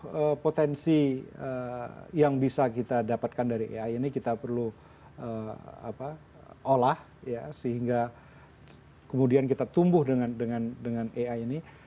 nah potensi yang bisa kita dapatkan dari ai ini kita perlu olah sehingga kemudian kita tumbuh dengan ai ini